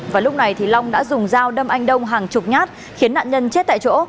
và lúc này thì long đã dùng dao đâm anh đông hàng chục nhát khiến nạn nhân chết tại chỗ